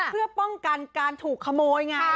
เพื่อป้องกันการถูกขโมยไง